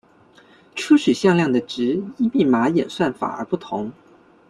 初始向量的值依密码演算法而不同。